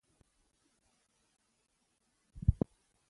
پوهه میندې له درملو سم کار اخلي۔